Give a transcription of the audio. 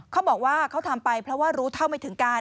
เขาบอกว่าเขาทำไปเพราะว่ารู้เท่าไม่ถึงการ